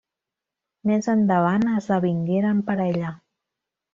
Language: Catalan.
Més endavant esdevingueren parella.